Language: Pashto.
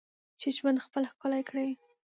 چې ژوند خپل ښکلی کړې.